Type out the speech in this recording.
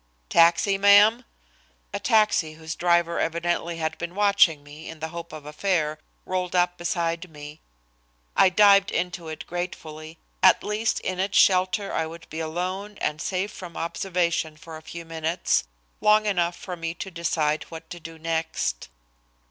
"Taxi, ma'am?" A taxi whose driver evidently had been watching me in the hope of a fare rolled up beside me. I dived into it gratefully. At least in its shelter I would be alone and safe from observation for a few minutes, long enough for me to decide what to do next.